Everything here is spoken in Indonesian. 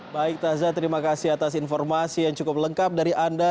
baik taza terima kasih atas informasi yang cukup lengkap dari anda